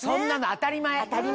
当たり前。